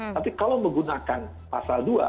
tapi kalau menggunakan pasal dua